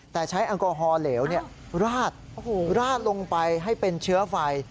แต่ใช้อังกษ์หอเหลวลาดลงไปให้เป็นเชื้อไฟ